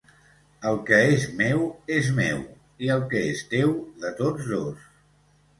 El que és meu, és meu, i el que és teu, de tots dos.